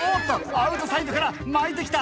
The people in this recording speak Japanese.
アウトサイドから巻いてきた！